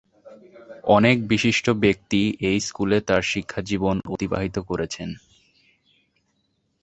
অনেক বিশিষ্ট ব্যক্তি এই স্কুলে তার শিক্ষাজীবন অতিবাহিত করেছেন।